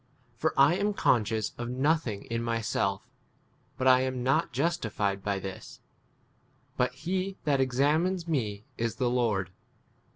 For I am conscious of no thing in myself; but I am not justified by this : but he that 5 examines me is the Lord.